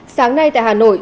sáng nay tại hà nội